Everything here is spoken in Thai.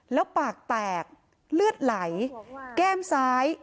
แล้วปากแตกเลือดไหลแก้มซ้าย